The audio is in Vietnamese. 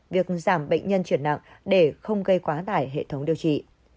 việc giảm bệnh nhân chuyển nặng để không gây quá tải hệ thống điều trị